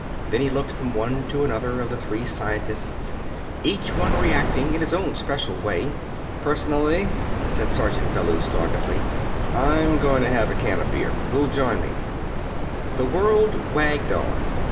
Then he looked from one to another of the three scientists, each one reacting in his own special way. "Personally," said Sergeant Bellews doggedly, "I'm goin' to have a can of beer. Who'll join me?" The world wagged on.